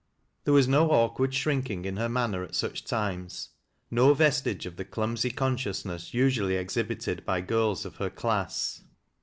There was no awkward shrinking in her mannoi at such times, no vestige of the clumsy consciousnctE usually exliibited by girls of her class.